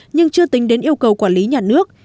nhưng chưa tính đến yêu cầu quản lý nhà nước